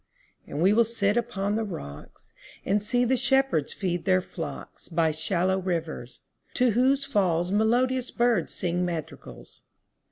And we will sit upon the rocks, 5 And see the shepherds feed their flocks By shallow rivers, to whose falls Melodious birds sing madrigals.